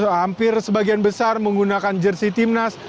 hampir sebagian besar menggunakan jersi timnas